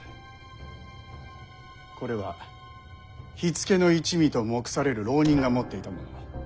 これは火付けの一味と目される浪人が持っていたもの。